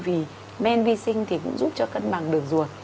vì men vi sinh thì cũng giúp cho cân bằng đường ruột